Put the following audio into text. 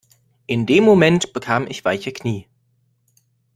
In dem Moment bekam ich weiche Knie.